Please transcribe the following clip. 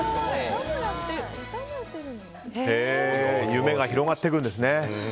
夢が広がっていくんですね。